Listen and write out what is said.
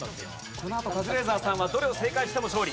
このあとカズレーザーさんはどれを正解しても勝利。